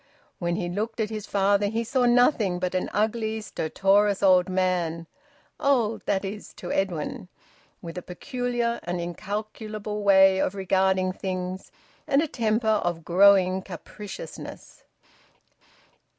When he looked at his father he saw nothing but an ugly, stertorous old man (old, that is, to Edwin), with a peculiar and incalculable way of regarding things and a temper of growing capriciousness.